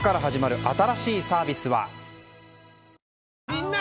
みんな！